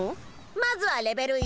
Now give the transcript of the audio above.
まずはレベル１。